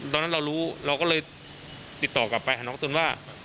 ตอนนั้นเรารู้เราก็เลยติดต่อกลับไปหาน้องตุ๋นว่า